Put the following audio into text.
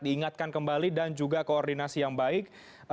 diingatkan kembali dan juga koordinasi yang baik